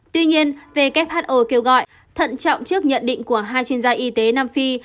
tuy nhiên who kêu gọi thận trọng trước nhận định của hai chuyên gia y tế nam phi